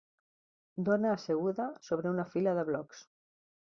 Dona asseguda sobre una fila de blocs.